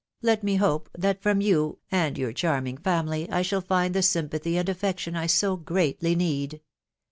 Let me hope that from you, and your charming family, I shall find the sympathy and affection I so greatly need.